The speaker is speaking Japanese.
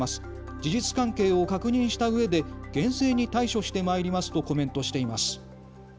事実関係を確認したうえで厳正に対処してまいりますとコメントしています。